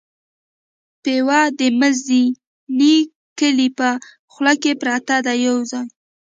پېوه د مزینې کلي په خوله کې پرته ده یو ځای.